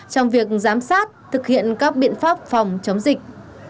trong việc giám sát thực hiện các biện pháp phòng chống dịch